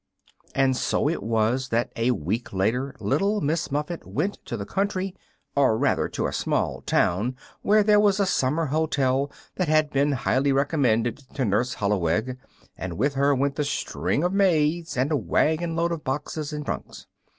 And so it was that a week later Little Miss Muffet went to the country, or rather to a small town where there was a summer hotel that had been highly recommended to Nurse Holloweg; and with her went the string of maids and a wagon load of boxes and trunks.